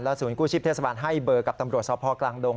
ศูนย์กู้ชีพเทศบาลให้เบอร์กับตำรวจสพกลางดง